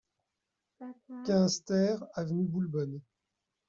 quinze TER avenue Boulbonne